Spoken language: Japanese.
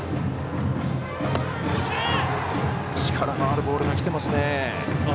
力のあるボールがきてますね。